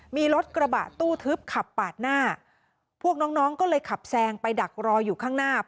มีรถกระบะตู้ทึบขับปาดหน้าพวกน้องน้องก็เลยขับแซงไปดักรออยู่ข้างหน้า